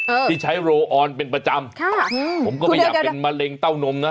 ที่ใช้โรอออนเป็นประจำค่ะอืมผมก็ไม่อยากเป็นมะเร็งเต้านมนะ